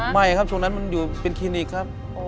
ไม่ครับช่วงนั้นมันอยู่เป็นคลินิกครับ